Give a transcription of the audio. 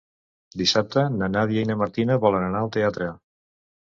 Dissabte na Nàdia i na Martina volen anar al teatre.